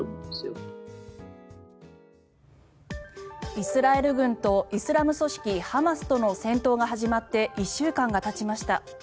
イスラエル軍とイスラム組織ハマスとの戦闘が始まって１週間がたちました。